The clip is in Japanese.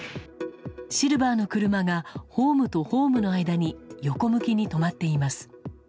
シルバーの車がホームとホームの間に横向きに止まっています。